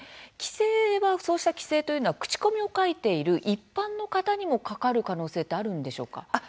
そうした規制というのは口コミを書いている一般の方にもかかる可能性ってあるんでしょうか。